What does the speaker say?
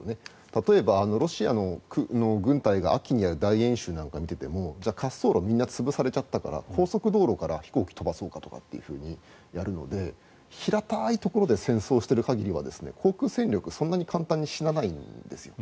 例えば、ロシアの軍隊が秋にやる大演習なんかを見ていても滑走路みんな潰されちゃったから高速道路から飛行機を飛ばそうかみたいにやるので平たいところで戦争してる限りは航空戦力はそんなに簡単に死なないんですよ。